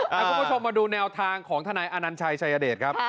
คุณผู้ชมมาดูแนวทางของทนายอนัญชัยชายเดชครับ